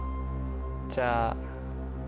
じゃあ。